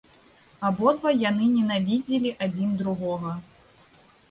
Абодва яны ненавідзелі адзін другога.